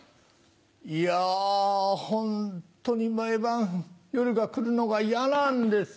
いやホントに毎晩夜が来るのが嫌なんです。